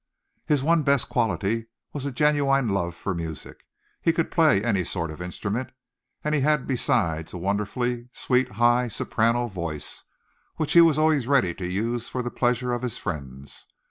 His one best quality was a genuine love for music. He could play any sort of instrument; and had besides a wonderfully sweet high soprano voice, which he was always ready to use for the pleasure of his friends.